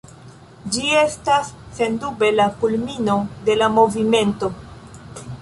Ĝi estas sendube la kulmino de la movimento.